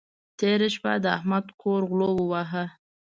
تېره شپه د احمد کور غلو وواهه.